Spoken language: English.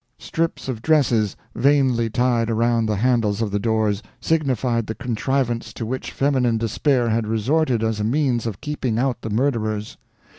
Strips of dresses, vainly tied around the handles of the doors, signified the contrivance to which feminine despair had resorted as a means of keeping out the murderers.